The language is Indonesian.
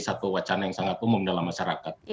satu wacana yang sangat umum dalam masyarakat